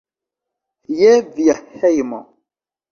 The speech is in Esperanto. Je via hejmo!